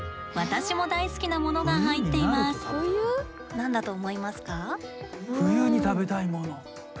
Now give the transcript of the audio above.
何だと思いますか？え！